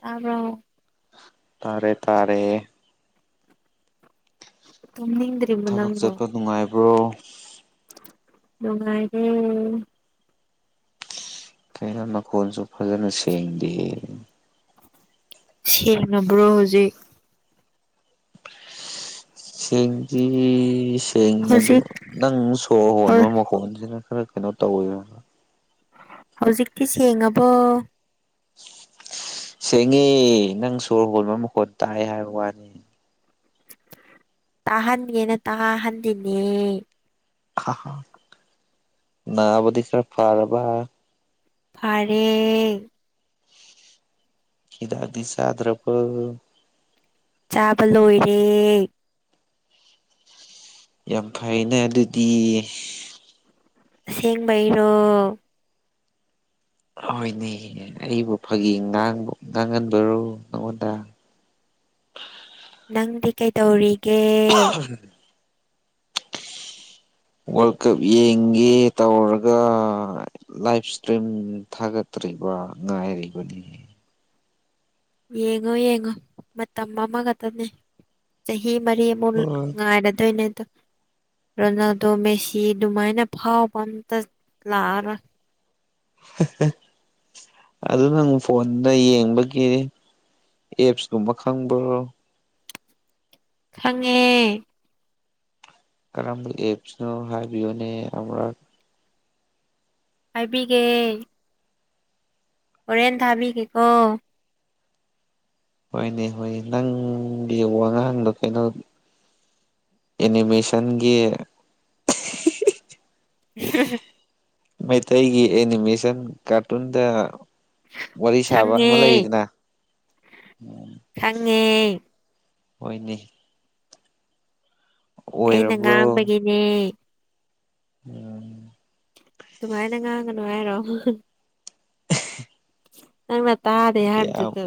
ꯇꯥꯕ꯭ꯔꯣ ꯇꯥꯔꯦ ꯇꯥꯔꯦ ꯇꯨꯝꯅꯤꯡꯗ꯭ꯔꯤꯕ ꯊꯕꯛ ꯅꯪꯕꯨ ꯆꯠꯄ ꯅꯨꯡꯉꯥꯏꯕ꯭ꯔꯣ ꯗꯨꯝ ꯂꯩꯌꯦ ꯀꯩꯅꯣ ꯅꯈꯣꯟꯁꯨ ꯐꯖꯅ ꯁꯦꯡꯗꯦꯌꯦ ꯁꯦꯡꯉꯥꯕ꯭ꯔꯣ ꯍꯨꯖꯤꯛ ꯁꯦꯡꯗꯤ ꯁꯦꯡꯉꯦ ꯑꯗꯣ ꯍꯧꯖꯤꯛ ꯅꯪ ꯁꯣꯔ ꯍꯣꯟꯕ ꯃꯈꯣꯟꯁꯤꯅ ꯈꯔ ꯀꯩꯅꯣ ꯇꯧꯋꯦꯕ ꯍꯧꯖꯤꯛꯇꯤ ꯁꯦꯡꯉꯕꯣ ꯁꯦꯡꯉꯦ ꯅꯪ ꯁꯣꯔ ꯍꯣꯟꯕ ꯃꯈꯣꯟ ꯇꯥꯏ ꯍꯥꯏꯕ ꯋꯥꯅꯤ ꯇꯥꯍꯟꯒꯦꯅ ꯇꯥꯍꯟꯂꯤꯅꯦ [unintelligible] ꯅꯕꯗꯤ ꯈꯔ ꯐꯥꯔꯕ ꯐꯔꯦ ꯍꯤꯗꯥꯛꯇꯤ ꯆꯥꯗ꯭ꯔꯕꯣ ꯆꯥꯕ ꯂꯣꯏꯔꯦ ꯌꯥꯝ ꯐꯩꯅꯦ ꯑꯗꯨꯗꯤ ꯑꯁꯦꯡꯕꯩꯔꯣ ꯍꯣꯏꯅꯦ ꯑꯩꯕꯨ ꯐꯥꯒꯤ ꯉꯥꯡ ꯉꯥꯥꯡꯒꯟꯕ꯭ꯔꯣ ꯅꯉꯣꯟꯗ ꯅꯪꯗꯤ ꯀꯩꯇꯧꯔꯤꯒꯦ [unintelligible] ꯋꯥꯔꯜ ꯀꯞ ꯌꯦꯡꯒꯦ ꯇꯧꯔꯒ ꯂꯥꯏꯐ ꯏꯁꯇ꯭ꯔꯤꯝ ꯊꯥꯒꯠꯇ꯭ꯔꯤꯕ ꯉꯥꯏꯔꯤꯕ [unintelligible] ꯌꯦꯡꯉꯣ ꯌꯦꯡꯉꯣ ꯃꯇꯝ ꯑꯃꯈꯠꯇꯅꯦ ꯆꯍꯤ ꯃꯔꯤ ꯕꯣꯜ ꯎꯝ ꯉꯥꯏꯔꯗꯣꯢꯅꯦ ꯑꯗꯨꯝ ꯔꯣꯅꯥꯜꯗꯣ ꯃꯦꯁꯤ ꯗꯨꯃꯥꯏꯅ ꯐꯥꯎꯕ ꯑꯝꯇ ꯂꯥꯛꯑꯔꯣꯢ [unintelligible] ꯑꯗꯨ ꯅꯪ ꯐꯣꯟꯗ ꯌꯦꯡꯕꯒꯤ ꯑꯦꯞꯁꯀꯨꯝꯕ ꯈꯪꯕꯔꯣ ꯈꯪꯉꯦ ꯀꯔꯝꯕ ꯑꯦꯞꯁ ꯅꯣ ꯍꯥꯏꯕꯤꯌꯣꯅꯦ ꯑꯃꯔꯛ ꯍꯥꯏꯕꯤꯒꯦ ꯍꯣꯔꯦꯟ ꯊꯥꯕꯤꯒꯦꯀꯣ ꯍꯣꯏꯅꯦ ꯍꯣꯏꯅ ꯅꯪꯒꯤ ꯋꯥꯉꯥꯡꯗꯣ ꯀꯩꯅꯣ ꯑꯦꯅꯤꯃꯦꯁꯟꯒꯤ [unintelligible] ꯃꯩꯇꯩꯒꯤ ꯑꯦꯅꯤꯃꯦꯁꯟ ꯀꯥꯔꯇꯨꯟꯗ ꯋꯥꯔꯤ ꯁꯥꯕ ꯑꯃ ꯈꯪꯉꯦ ꯂꯩꯗꯅ ꯈꯪ ꯉꯦ ꯍꯣꯏꯅꯦ ꯑꯩꯅ ꯑꯣꯏꯔꯕ꯭ꯔꯣ ꯉꯥꯡꯕꯒꯤꯅꯦ [unintelligible] ꯑꯗꯨꯃꯥꯏꯅ ꯉꯥꯡꯒ ꯅꯨ ꯍꯥꯏꯔꯣ ꯅꯪꯅ ꯇꯥꯗꯦ ꯌꯥꯝ ꯍꯥꯏꯕꯗꯨꯗ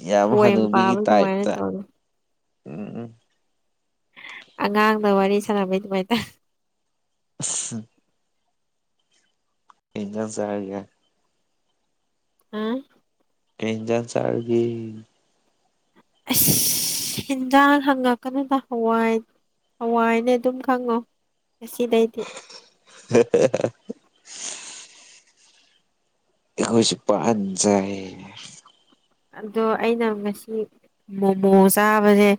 ꯌꯥꯝ ꯄꯣꯏꯃ ꯍꯅꯨꯕꯤꯒꯤ ꯄꯥꯕ ꯑꯗꯨꯃꯥꯏꯅ ꯇꯥꯏꯞꯇ ꯇꯧꯢ ꯎꯝ ꯎꯝ ꯑꯉꯥꯡꯅ ꯋꯥꯔꯤ ꯁꯥꯟꯅꯕꯩ ꯗꯨꯃꯥꯏꯅ [unintelligible] ꯀꯩ ꯢꯟꯖꯥꯡ ꯆꯔꯥꯒꯦ [unintelligible] ꯀꯩ ꯏꯟꯖꯥꯡ ꯆꯥꯔꯒꯦ [unintelligible] ꯍꯤꯟꯖꯥꯡ ꯍꯪꯉꯛꯀꯅꯨꯗ ꯍꯋꯥꯏ ꯍꯋꯥꯏꯅꯦ ꯑꯗꯨꯝ ꯈꯪꯉꯣ ꯉꯁꯤ ꯗꯩꯗꯤ [unintelligible] ꯑꯩꯈꯣꯏꯁꯨ ꯄꯥꯟ ꯆꯥꯏ ꯑꯗꯣ ꯑꯩꯅ ꯉꯁꯤ ꯃꯣꯃꯣ ꯆꯥꯕꯅ‌ꯦ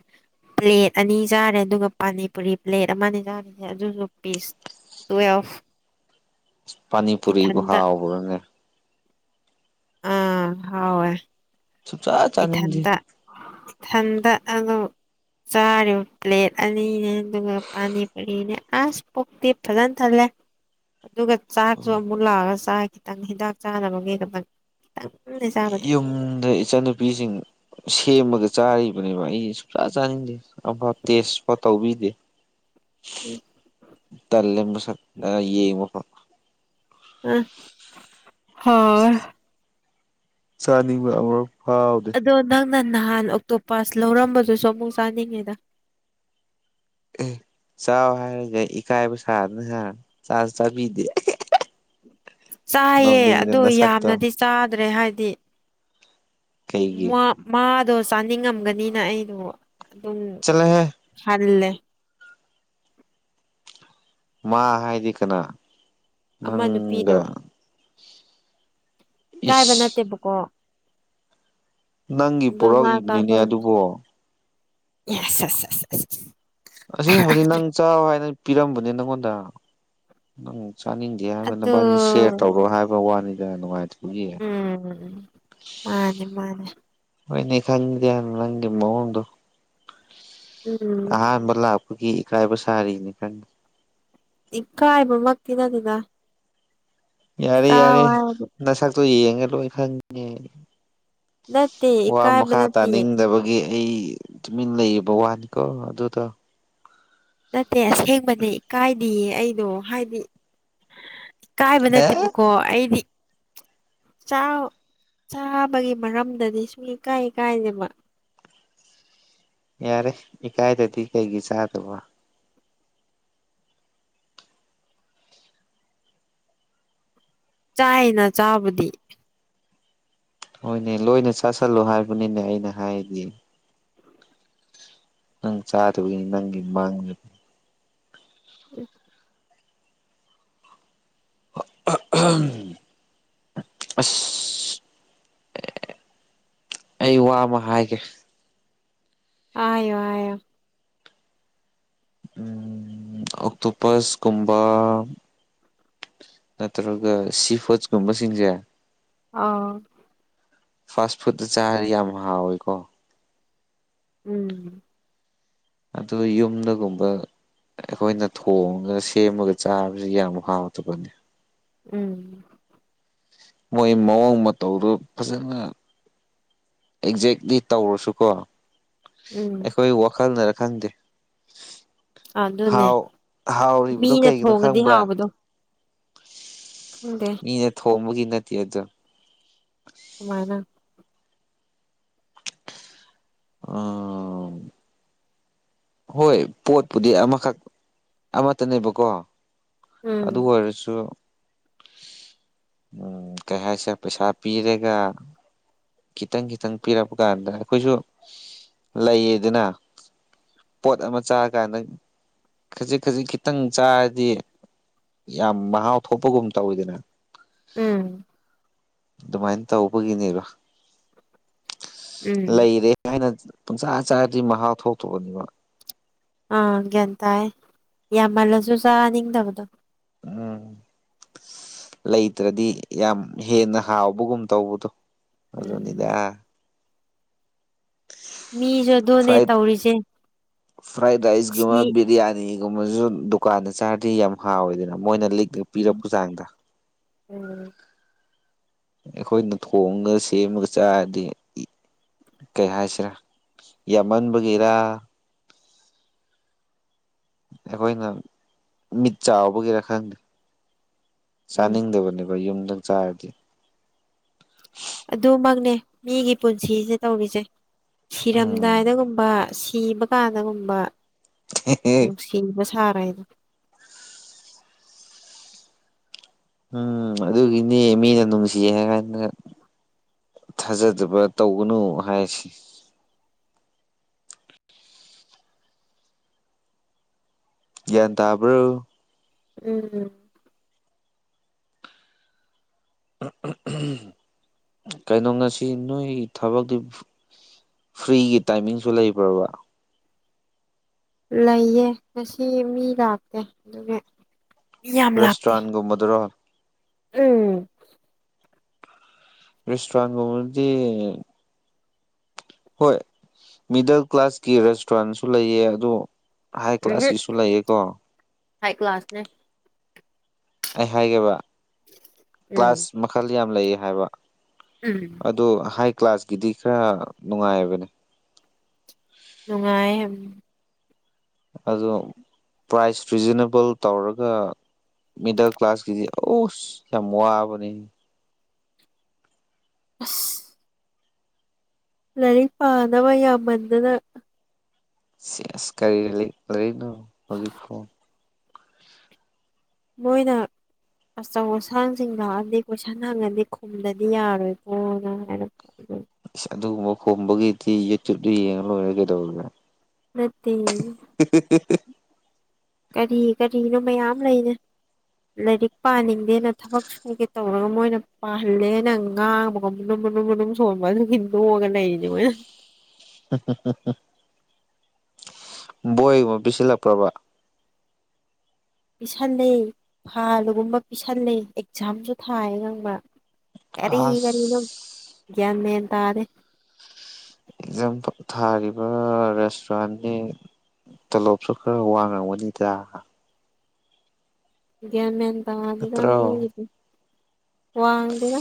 ꯄ꯭ꯂꯦꯠ ꯑꯅꯤ ꯆꯥꯔꯦ ꯑꯗꯨꯒ ꯄꯥꯅꯤꯄꯨꯔꯤ ꯄ꯭ꯂꯦꯠ ꯑꯃ ꯅ‌ꯦ ꯆꯥꯔꯤꯁꯦ ꯑꯗꯨꯁꯨ ꯄꯤꯁ ꯇꯨꯏꯋ‌ꯦꯜꯐ ꯏꯁ ꯄꯥꯅꯤ ꯄꯨꯨꯔꯤꯕꯨ ꯍꯥꯎꯕ꯭ꯔꯅꯦ ꯑꯥ ꯍꯥꯎꯋꯦ ꯁꯨꯡꯆꯥ ꯆꯥꯅꯤꯡꯗꯦ ꯏꯊꯟꯇ ꯏꯊꯟꯗ ꯑꯗꯨ ꯆꯥꯔꯤꯕ ꯄ꯭ꯂꯦꯠ ꯑꯅꯤꯅꯦ ꯑꯗꯨꯒ ꯄꯥꯅꯤꯄꯨꯔꯤꯅꯦ ꯑꯁ ꯄꯨꯛꯇꯤ ꯐꯖꯅ ꯊꯜꯂꯦ [inaudible] ꯑꯗꯨꯒ ꯆꯥꯛꯁꯨ ꯑꯃꯨꯛ ꯂꯥꯛꯑꯒ ꯆꯥꯏ ꯈꯤꯇꯪ ꯍꯤꯗꯥꯛ ꯆꯥꯅꯕꯒꯤꯗ ꯈꯤꯇꯪ ꯈꯤꯇꯪꯅ‌ꯦ ꯌꯨꯝꯗ ꯏꯆꯟꯅꯨꯄꯤꯁꯤꯡ ꯁꯦꯝꯃꯒ ꯆꯥꯔꯤꯕꯅꯦꯕ ꯑꯩ ꯁꯨꯡꯆꯥ ꯆꯥꯅꯤꯡꯗꯦ ꯑꯃ ꯇꯦꯁꯐꯛ ꯇꯧꯕꯤꯗꯦ ꯎꯝ ꯇꯜꯂ‌ꯦ ꯃꯁꯛ ꯑ ꯌꯦꯡꯕꯐ ꯑ ꯍꯥꯋ‌ꯦ ꯆꯥꯅꯤꯡꯕ ꯑꯃꯔꯛ ꯐꯥꯎ ꯑꯗꯣ ꯅꯪꯅ ꯅꯍꯥꯟ ꯑꯣꯛꯇꯣ ꯄꯁ ꯂꯧꯔꯝꯕꯗꯨꯁꯨ ꯑꯃꯨꯛ ꯆꯥꯅꯤꯡꯉꯦꯗ ꯑꯦ ꯆꯥꯎ ꯍꯥꯏꯔꯒ ꯏꯀꯥꯏꯕ ꯁꯥꯗꯅ ꯍꯥ ꯆꯥꯁꯨ ꯆꯥꯕꯤꯗꯦ ꯆꯥꯏꯌꯦ ꯅꯣꯛꯅꯤꯡꯗ ꯑꯗꯣ ꯅꯁꯛꯇꯣ ꯌꯥꯝꯅꯗꯤ ꯆꯥꯗ꯭ꯔꯦ ꯍꯥꯏꯗꯤ ꯀꯩꯒꯤ ꯃꯥ ꯃꯥꯗꯣ ꯆꯥꯅꯤꯡꯉꯝꯒꯅꯤꯅ ꯑꯩꯗꯣ ꯑꯗꯨꯝ ꯆꯂꯦ ꯍꯦ ꯈꯜꯂꯦ ꯃꯥ ꯍꯥꯏꯗꯤ ꯀꯅꯥ ꯑꯃ ꯅꯨꯄꯤꯗꯣ ꯅꯪꯒ ꯏꯀꯥꯏꯕ ꯏꯁ ꯅꯠꯇꯦꯕꯀꯣ ꯅꯪꯒꯤ ꯑꯗꯣ ꯃꯥ ꯄ‌ꯣꯔꯛꯏꯕꯅꯤꯅꯦ ꯑꯗꯨꯕꯨ ꯌ‌ꯦꯁ ꯑꯖ ꯑꯖ ꯑꯖ ꯑꯖ ꯑꯁꯤꯒꯨꯝꯕꯗꯤ ꯅꯪ ꯆꯥꯎ ꯍꯥꯏꯅ ꯄꯤꯔꯝꯕꯅꯤ ꯅꯪꯉꯣꯟꯗ ꯅꯪ ꯆꯥꯅꯤꯡ ꯗ‌ꯦ ꯍꯥꯏꯕ ꯑꯗꯣ ꯅꯕꯥꯅꯤ ꯁꯦꯌꯔ ꯇꯧꯔꯣ ꯍꯥꯏꯕ ꯋꯥꯅꯤꯗ ꯅꯨꯡꯉꯥꯏꯇ ꯎꯝ ꯃꯥꯅꯦ ꯃꯥꯅꯦ ꯍꯣꯏꯅꯤ ꯈꯪꯗꯦ ꯅꯪꯒꯤ ꯃꯧꯋ‌ꯣꯡꯗꯨ ꯎꯝ ꯑꯥꯍꯥꯟꯕ ꯂꯥꯛꯄꯒꯤ ꯏꯀꯥꯏꯕ ꯁꯥꯔꯤꯅꯤ ꯈꯪ ꯏꯀꯥꯏꯕꯃꯛꯇꯤ ꯅꯠꯇ‌ꯦꯗꯥ ꯌꯥꯔꯦ ꯌꯥꯔꯦ ꯍꯥꯏꯔꯗꯤ ꯅꯁꯛꯇꯣ ꯌꯦꯡꯉ ꯂꯣꯏ ꯈꯪꯉ‌ꯦ ꯅꯠꯇꯦ ꯋꯥ ꯏꯀꯥꯏꯕ ꯃꯈꯥ ꯅꯠꯇꯤꯌꯦ ꯇꯥꯅꯤꯡꯗꯕꯒꯤ ꯑꯩ ꯇꯨꯃꯤꯟ ꯂꯩꯕ ꯋꯥꯅꯤꯀꯣ ꯑꯗꯨꯗ‌ꯣ ꯅꯠꯇꯦ ꯑꯁꯦꯡꯕꯅꯦ ꯏꯀꯥꯏꯗꯤꯌꯦ ꯑꯩꯗꯣ ꯍꯥꯏꯗꯤ ꯏꯀꯥꯏꯕ ꯅꯠꯇꯦꯕꯨ ꯑꯦ ꯀꯣ ꯑꯩꯗꯤ ꯆꯥꯎ ꯆꯥꯕꯒꯤ ꯃꯔꯝꯗꯗꯤ ꯁꯨꯡ ꯏ ꯀꯥꯏ ꯏꯀꯥꯏꯗꯦꯕ ꯌꯥꯔꯦ ꯏꯀꯥꯏꯗꯗꯤ ꯀꯩꯒꯤ ꯆꯥꯗꯕ ꯆꯥꯏꯅ ꯆꯥꯕꯨꯗꯤ ꯍꯣꯏꯅꯦ ꯂꯣꯏꯅ ꯆꯥꯥꯁꯜꯂꯣ ꯍꯥꯏꯕꯅꯤꯅꯦ ꯑꯩꯅ ꯍꯥꯏꯗꯤ ꯅꯪ ꯆꯥꯗꯕꯒꯤꯅꯤ ꯅꯪꯒꯤ ꯃꯥꯡꯖꯕ ꯎꯝ [unintelligible] ꯑꯁ ꯑꯩ ꯋꯥ ꯑꯃ ꯍꯥꯏꯒꯦ ꯑꯥꯏꯌꯣ ꯍꯥꯏꯌꯣ ꯎꯝ ꯑꯣꯛꯇꯣꯄꯁꯀꯨꯝꯕ ꯅꯠꯇ꯭ꯔꯥꯒ ꯁꯤ ꯐꯨꯁꯀꯨꯝꯕꯁꯤꯡꯖꯦ ꯑꯥꯎ ꯐꯥꯁ ꯐꯨꯗꯗꯥ ꯆꯥꯔꯗꯤ ꯌꯥꯝ ꯍꯥꯎꯋꯦꯀꯣ ꯎꯝ ꯑꯗꯨ ꯌꯨꯝꯗꯒꯨꯝꯕ ꯑꯩꯈꯣꯏꯅ ꯊꯣꯡꯉꯒ ꯁꯦꯝꯃꯒ ꯆꯥꯕꯁꯤ ꯌꯥꯝ ꯍꯥꯎꯇꯥꯕꯅꯤ ꯎꯝ ꯃꯣꯏ ꯃꯑꯣꯡ ꯃꯇꯧꯗꯨ ꯐꯖꯅ ꯑꯦꯛꯖꯦꯛꯂꯤ ꯇꯧꯔꯁꯨꯀꯣ ꯎꯝ ꯑꯩꯈꯣꯏ ꯋꯥꯈꯜꯅꯔ ꯈꯪꯗꯦ ꯑꯗꯨꯅꯦ ꯍꯥꯎ ꯍꯥꯎꯔꯤꯕꯗꯣ ꯃꯤꯅ ꯀꯩꯒꯤꯅꯣ ꯊꯣꯡꯉꯗꯤ ꯈꯪꯕ꯭ꯔꯥ ꯍꯥꯎꯕꯗꯣ ꯈꯪꯗꯦ ꯃꯤꯅ ꯊꯣꯡꯕꯒꯤ ꯅꯠꯇꯦ ꯑꯗꯣ ꯀꯃꯥꯏꯅ ꯑꯥ ꯍꯣꯏ ꯄꯣꯠꯄꯨꯗꯤ ꯑꯃꯈꯛ ꯑꯃꯠꯇꯅꯦꯕꯀꯣ ꯑꯗꯨ ꯎꯝ ꯑꯣꯏꯔꯁꯨ ꯎꯝ ꯀꯩ ꯍꯥꯏꯁꯦ ꯄꯩꯁꯥ ꯄꯤꯔꯦꯒ ꯈꯤꯇꯪ ꯈꯤꯇꯪ ꯄꯤꯔꯛꯄ ꯀꯥꯟꯗ ꯑꯩꯈꯣꯏꯁꯨ ꯂꯩꯌꯦꯗꯅ ꯄꯣꯠ ꯑꯃ ꯆꯥꯔ ꯀꯥꯟꯗ ꯈꯖꯤꯛ ꯈꯖꯤꯛ ꯈꯤꯇꯪ ꯆꯥꯔꯗꯤ ꯌꯥꯝ ꯃꯍꯥꯎ ꯊꯣꯛꯄꯒꯨꯝ ꯇꯧꯋꯤꯗꯅ ꯎꯝ ꯑꯗꯨꯃꯥꯏꯟ ꯇꯧꯕꯒꯤꯅꯦꯕ ꯎꯝ ꯂꯩꯔꯦ ꯍꯥꯏꯅ ꯄꯨꯡꯆꯥ ꯆꯥꯔꯗꯤ ꯃꯍꯥꯎ ꯊꯣꯛꯇꯕꯅꯦꯕ ꯑꯥ ꯒ꯭ꯌꯥꯟ ꯇꯥꯏ ꯌꯥꯝꯃꯜꯂꯖꯨ ꯆꯥꯅꯤꯡꯗꯕꯗꯣ ꯎꯝ ꯂꯩꯇ꯭ꯔꯥꯗꯤ ꯌꯥꯝ ꯍꯦꯟꯅ ꯍꯥꯎꯕꯒꯨꯝ ꯇꯧꯕꯗꯣ ꯎꯝ ꯑꯗꯨꯅꯤꯗ ꯃꯤꯖꯨ ꯑꯗꯨꯅꯦ ꯇꯧꯔꯤꯖꯦ ꯐ꯭ꯔꯥꯏꯗ ꯔꯥꯏꯁꯀꯨꯝꯕ ꯕꯤꯔꯌꯥꯅꯤꯒꯨꯝꯕꯖꯨ ꯗꯨꯀꯥꯟꯗ ꯆꯥꯔꯗꯤ ꯌꯥꯝ ꯍꯥꯎꯋꯦꯗꯅ ꯃꯣꯏꯅ ꯂꯤꯛ ꯎꯝ ꯑꯣ ꯑꯩꯈꯣꯏꯅ ꯊꯣꯡꯉꯒ ꯁꯦꯝꯃꯒ ꯆꯥꯔꯗꯤ ꯀꯩ ꯍꯥꯏꯁꯤꯔꯥ ꯌꯥꯝꯃꯟꯕꯒꯤꯔꯥ ꯑꯩꯈꯣꯏꯅ ꯃꯤꯠ ꯆꯥꯎꯕꯒꯤꯔ ꯈꯪꯗꯦ ꯎꯝ ꯆꯥꯅꯤꯡꯗꯕꯅꯦꯕ ꯒꯣꯏ ꯌꯨꯝꯗꯪ ꯆꯥꯔꯗꯤ ꯑꯗꯨꯃꯛꯅꯦ ꯃꯤꯒꯤ ꯄꯨꯟꯁꯤꯖꯦ ꯇꯧꯔꯤꯖꯦ ꯎꯝ ꯁꯤꯔꯝꯗꯥꯏꯗꯒꯨꯝꯕ ꯁꯤꯕ ꯀꯥꯟꯗꯒꯨꯝꯕ [unintelligible] ꯁꯤꯕ ꯁꯥꯔꯦꯗꯣ ꯎꯝ ꯑꯗꯨꯒꯤꯅꯤ ꯃꯤꯅ ꯅꯨꯡꯁꯤꯌꯦ ꯍꯥꯏꯒꯟꯗ ꯊꯥꯖꯗꯕ ꯇꯧꯒꯅꯨ ꯍꯥꯏꯁꯤ ꯒ꯭ꯌꯥꯟ ꯇꯥꯕ꯭ꯔꯣ ꯎꯝ ꯎꯝ ꯎꯝ ꯎꯝ ꯎꯝ ꯀꯩꯅꯣ ꯉꯁꯤ ꯅꯣꯏꯒꯤ ꯊꯕꯛꯗꯤ ꯐ꯭ꯔꯤꯒꯤ ꯇꯥꯏꯃꯤꯡꯁꯨ ꯂꯩꯕ꯭ꯔꯥꯕ ꯂꯩꯌꯦ ꯉꯁꯤ ꯃꯤ ꯂꯥꯛꯇꯦ ꯑꯗꯨꯒꯤ ꯌꯥꯝ ꯂꯥꯛꯇꯦ ꯔꯦꯁꯇ꯭ꯔꯨꯔꯥꯟꯒꯨꯝꯕꯗꯨꯔꯣ ꯎꯝ ꯔꯦꯁꯇꯣꯔꯒꯗꯤ ꯍꯣꯏ ꯃꯤꯗꯜ ꯀ꯭ꯂꯥꯁꯀꯤ ꯔꯦꯁꯇꯨꯔꯥꯟꯁꯨ ꯂꯩꯌꯦ ꯑꯗꯣ ꯍꯥꯏ ꯎꯝꯍꯨꯝ ꯀ꯭ꯂꯥꯁꯀꯤꯁꯨ ꯂꯩꯌꯦ ꯀꯣ ꯍꯥꯏ ꯀ꯭ꯂꯥꯁꯅꯦ ꯑꯩ ꯍꯥꯏꯒꯦꯕ ꯎꯝ ꯀ꯭ꯂꯥꯁ ꯃꯈꯜ ꯌꯥꯝ ꯂꯩ ꯍꯥꯏꯕ ꯎꯝ ꯑꯣ ꯍꯥꯏ ꯀ꯭ꯂꯥꯁꯀꯤꯗꯤ ꯈꯔ ꯅꯨꯡꯉꯥꯏꯕꯅꯦ ꯅꯨꯡꯉꯥꯏꯌꯦ ꯑꯗꯣ ꯄ꯭ꯔꯥꯏꯁ ꯔꯤꯖꯅꯦꯕꯜ ꯇꯧꯔꯒ ꯃꯤꯗꯜ ꯀ꯭ꯂꯥꯁꯀꯤꯗꯤ ꯎꯁ ꯌꯥꯝ ꯃꯕꯅꯤ ꯑꯁ ꯂꯥꯏꯔꯤꯛ ꯄꯥꯅꯕ ꯌꯥꯝꯃꯟꯗꯅ ꯁꯤꯁ ꯀꯔꯤ ꯂꯩ ꯂꯔꯝꯛꯅꯣ ꯍꯧꯖꯤ ꯐꯣ ꯃꯣꯏꯅ ꯑꯆꯧ ꯑꯁꯥꯡꯁꯤꯡ ꯂꯥꯛꯑꯗꯤ ꯀꯣꯏꯁꯟ ꯍꯪꯉꯗꯤ ꯈꯨꯝꯗꯗꯤ ꯌꯥꯔꯣꯏꯀꯣꯅ ꯍꯥꯏꯔ ꯏꯁ ꯑꯗꯨꯒꯨꯝꯕ ꯈꯣꯝꯕꯒꯤꯗꯤ ꯌꯨꯇ꯭ꯌꯨꯕꯇ ꯌꯦꯡꯉ ꯂꯣꯏꯔꯦ ꯀꯩꯗꯧꯔꯒꯦ ꯅꯠꯇꯦ [unintelligible] ꯀꯔꯤ ꯀꯔꯤꯅꯣ ꯃꯌꯥꯝ ꯂꯩꯔ ꯂꯥꯏꯔꯤꯛ ꯄꯥꯅꯤꯡꯗꯦꯅ ꯊꯕꯛ ꯁꯨꯒꯦ ꯇꯧꯔꯒ ꯃꯣꯏꯅ ꯄꯥꯍꯜꯂꯦꯅꯪ ꯉꯥꯡꯕꯒꯅꯨꯝ ꯃꯅꯨꯝ ꯃꯅꯨꯝ ꯁꯣꯟꯕ ꯑꯗꯨꯒꯤꯅꯤ ꯇꯣ ꯑ ꯒ ꯂꯩꯔꯤꯅꯦ ꯃꯣꯏꯅ ꯕꯣꯏꯒꯨꯝꯕ ꯄꯤꯁꯤꯜꯂꯛꯄ꯭ꯔꯕ ꯄꯤꯁꯜꯂꯤ ꯐꯥꯜꯒꯨꯝꯕ ꯄꯤꯁꯜꯂꯤ ꯑꯦꯛꯖꯥꯝꯁꯨ ꯊꯥꯏ ꯈꯪꯕ꯭ꯔꯥ ꯀꯔꯤ ꯑꯁ ꯀꯔꯝꯅꯣ ꯒ꯭ꯌꯥꯟ ꯃꯦꯜ ꯇꯥꯗꯦ ꯝ ꯊꯥꯔꯤꯕ ꯔꯦꯁꯇꯨꯔꯦꯟꯁꯤ ꯇꯣꯂꯣꯞꯁꯨ ꯈꯔ ꯋꯥ ꯉꯝꯒꯅꯤꯗ ꯒꯌꯥꯃꯦꯟ ꯇꯥꯗꯨꯗ ꯅꯠꯇ꯭ꯔꯣ ꯃꯣꯏꯒꯤꯗꯤ ꯋꯥꯡꯗꯦꯗ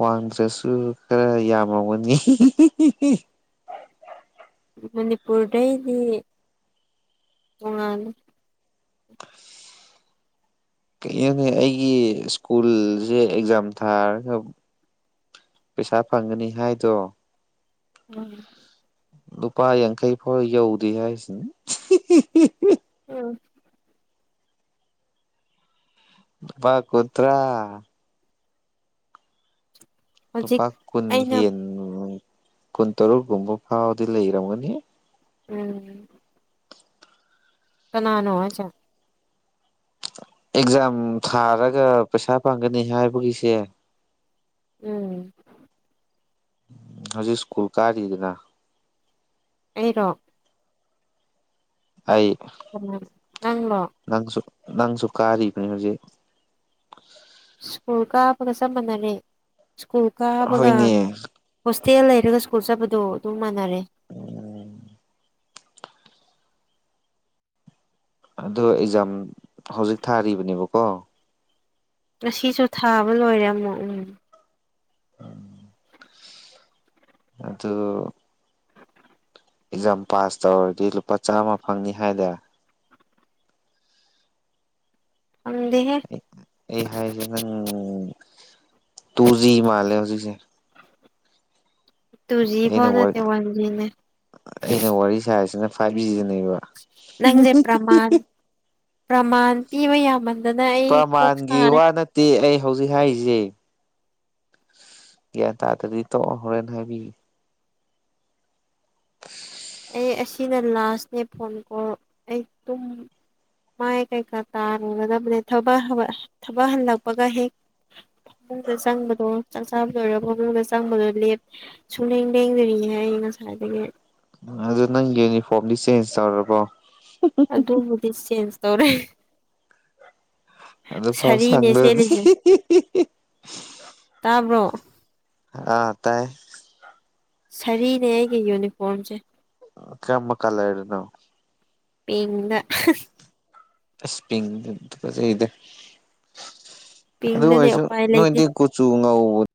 ꯋꯥꯡꯗ꯭ꯔꯁꯨ ꯈꯔ ꯌꯥꯝꯃꯒꯅꯤ ꯃꯅꯤꯄꯨꯔꯗꯩꯗꯤ ꯇꯣꯉꯅ ꯀꯩꯒꯤꯣꯅꯦ ꯑꯩꯒꯤ ꯁ꯭ꯀꯨꯜꯁꯦ ꯑꯦꯛꯖꯥꯝ ꯊꯥꯔꯒ ꯄꯩꯁꯥ ꯐꯪꯒꯅꯤ ꯍꯥꯏꯗꯣ [unintelligible] ꯂꯨꯄꯥ ꯌꯥꯡꯈꯩ ꯐꯥꯎ ꯌꯧꯗꯦ ꯍꯥꯏꯁꯤꯅꯤ ꯎꯝ ꯂꯨꯄꯥ ꯀꯨꯠꯇ꯭ꯔꯥ ꯍꯧꯖꯤꯛ ꯂꯨꯄꯥ ꯀꯨꯟ ꯑꯩꯅ ꯍꯦꯟ ꯀꯨꯟꯇꯔꯨꯛꯒꯨꯝꯕ ꯐꯥꯎꯗꯤ ꯂꯩꯔꯝꯒꯅꯤ ꯎꯝ ꯀꯅꯥꯅꯣ ꯍꯥꯏꯁꯦ ꯑꯦꯛꯖꯥꯝ ꯊꯥꯔꯒ ꯄꯩꯁꯥ ꯐꯥꯡꯒꯅꯤ ꯍꯥꯏꯕꯒꯤꯁꯦ ꯎꯝ ꯍꯧꯖꯤꯛ ꯁ꯭ꯀꯨꯜ ꯀꯥꯔꯤꯗꯅ ꯑꯩꯔꯣ ꯑꯩ ꯑꯣ ꯅꯪꯂꯣ ꯅꯪꯁꯨ ꯅꯪꯁꯨ ꯀꯥꯔꯤꯕꯅꯤ ꯍꯧꯖꯤꯛ ꯁ꯭ꯀꯨꯜ ꯀꯥꯕꯒ ꯆꯞ ꯃꯥꯟꯅꯔꯦ ꯁ꯭ꯀꯨꯜ ꯀꯥꯕꯒ ꯍꯣꯏꯅꯦ ꯍꯣꯁꯇꯦꯜ ꯂꯩꯔꯒ ꯁ꯭ꯀꯨꯜ ꯆꯠꯄꯗꯣ ꯑꯗꯨꯝ ꯃꯥꯟꯅꯔꯦ ꯑꯗꯨ ꯑꯦꯛꯖꯥꯝ ꯍꯧꯖꯤꯛ ꯊꯥꯔꯤꯕꯅꯦꯕꯀꯣ ꯉꯁꯤꯁꯨ ꯊꯥꯕ ꯂꯣꯏꯔꯦ ꯑꯃꯨꯛ ꯎꯝ ꯑꯗꯣ ꯑꯦꯛꯖꯥꯝ ꯄꯥꯁ ꯇꯧꯔꯗꯤ ꯂꯨꯄꯥ ꯆꯥꯝꯃ ꯐꯪꯅꯤ ꯍꯥꯏꯗ ꯐꯪꯗꯦꯍꯦ ꯑꯩ ꯍꯥꯏꯔꯤꯁꯦ ꯅꯪ ꯇꯨ ꯖꯤ ꯃꯥꯜꯂꯦ ꯍꯧꯖꯤꯛꯁꯦ ꯇꯨ ꯖꯤ ꯐꯥꯎ ꯑꯩꯅ ꯅꯠꯇꯦ ꯋꯥꯟ ꯖꯤ ꯅꯦ ꯑꯩꯅ ꯋꯥꯔꯤ ꯁꯥꯏꯁꯤꯅ ꯐꯥꯏꯚ ꯖꯤꯅꯦꯕ ꯅꯪꯖꯦ ꯄꯔ꯭ꯃꯥꯟ ꯄ꯭ꯔꯃꯥꯟ ꯄꯤꯕ ꯌꯥꯝꯃꯟ ꯗꯅ ꯑꯩ ꯀꯣꯛ ꯁꯥꯥꯔꯦ ꯇꯦ ꯑꯩ ꯍꯧꯖꯤꯛ ꯍꯥꯏꯔꯤꯖꯦ ꯒ꯭ꯌꯥꯟ ꯇꯥꯗꯗꯤ ꯇꯣꯛꯑꯣ ꯍꯣꯔꯦꯟ ꯍꯥꯏꯕꯤꯒꯦ ꯑꯩ ꯑꯁꯤꯅ ꯂꯥꯁꯅꯦ ꯐꯣꯟ ꯀꯣꯜ ꯑꯩ ꯇꯨꯝ ꯃꯥꯏ ꯀꯩꯀꯥ ꯇꯥꯔꯨꯒꯗꯕꯅꯦ ꯊꯕꯛ ꯍꯜꯂꯛ ꯊꯕꯛ ꯍꯜꯂꯛꯄꯒ ꯍꯦꯛ ꯐꯃꯨꯡꯗ ꯆꯪꯕꯗꯣ ꯆꯥꯛ ꯆꯥꯕ ꯂꯣꯏꯔ ꯐꯃꯨꯡꯗ ꯆꯪꯕꯗꯣ ꯂꯦꯞ ꯁꯨꯡꯂꯦꯡ ꯂꯦꯡꯗ꯭ꯔꯤꯌꯦ ꯑꯩ ꯉꯁꯥꯏꯗꯒꯤ ꯎꯝ ꯑꯗꯨ ꯅꯪ ꯌꯨꯅꯤꯐꯣꯔꯝꯗꯤ ꯆꯦꯟꯖ ꯇꯧꯔꯕꯣ ꯑꯗꯨꯕꯨꯗꯤ ꯆꯦꯟꯖ ꯇꯧꯔꯦ ꯑꯗꯨꯐꯥꯎ ꯁꯥꯔꯤꯅꯦ ꯁꯪꯗꯔ꯭ꯗꯤ ꯁꯦꯠꯂꯤꯁꯦ ꯇꯥꯕ꯭ꯔꯣ ꯑꯥ ꯇꯥꯏ ꯁꯥꯔꯤꯅꯦ ꯑꯩꯒꯤ ꯌꯨꯅꯤꯐꯣꯔꯝꯁꯦ ꯀꯔꯝꯕ ꯀꯂꯔꯗꯅꯣ ꯄꯤꯡꯗ ꯑꯁ ꯄꯤꯡꯗ ꯐꯖꯩꯗ ꯑꯗꯨ ꯄꯤꯡꯗꯅꯦ ꯑꯣꯏꯔꯁꯨ ꯎꯄꯥꯏ ꯂꯩꯇꯦ ꯅꯣꯏꯗꯤ ꯀꯨ ꯆꯨ ꯉꯧꯕ